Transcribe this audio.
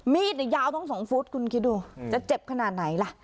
มีดยาวทั้งสองฟุตคุณคิดดูจะเจ็บขนาดไหนล่ะ